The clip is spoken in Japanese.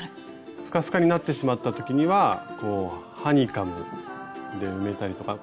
スカスカになってしまった時にはこうハニカムで埋めたりとか。